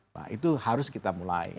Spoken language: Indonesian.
nah itu harus kita mulai